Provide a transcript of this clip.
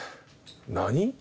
何？